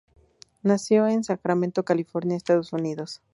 Nació en Sacramento, California, Estados Unidos.